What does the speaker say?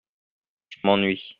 Je m’ennuie.